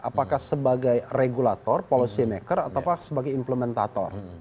apakah sebagai regulator policy maker atau sebagai implementator